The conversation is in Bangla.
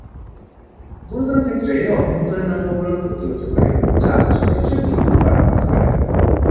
গুরুতর ক্ষেত্রে, অভ্যন্তরীণ অঙ্গগুলির ক্ষতি হতে পারে, যা কিছু ক্ষেত্রে মৃত্যুর কারণ হতে পারে।